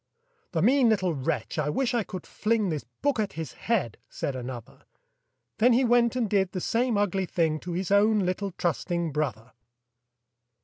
"The mean little wretch, I wish I could fling This book at his head!" said another; Then he went and did the same ugly thing To his own little trusting brother!